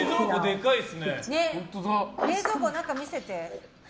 冷蔵庫の中、見せて！